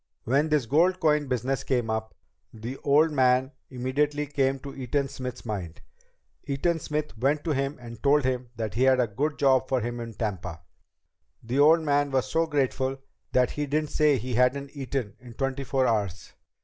When this gold coin business came up, the old man immediately came to Eaton Smith's mind. Eaton Smith went to him and told him that he had a good job for him in Tampa. The old man was so grateful that he didn't say he hadn't eaten in twenty four hours.